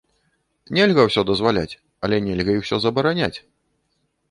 Нельга ўсё дазваляць, але нельга і ўсё забараняць.